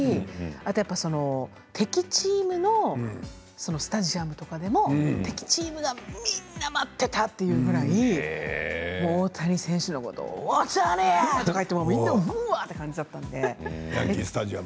あと、やっぱり敵チームのスタジアムとかでも敵チームのみんなが待っていたというぐらい大谷選手のことをオオタニ！とか言ってみんなうわあっという感じだったので。